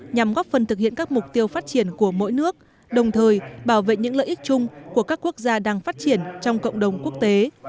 nhằm góp phần thực hiện các mục tiêu phát triển của mỗi nước đồng thời bảo vệ những lợi ích chung của các quốc gia đang phát triển trong cộng đồng quốc tế